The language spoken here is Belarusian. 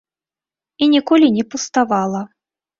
І ніколі не пуставала.